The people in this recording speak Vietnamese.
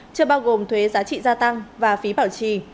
chưa bao gồm thuế giá trị gia tăng và phí bảo trì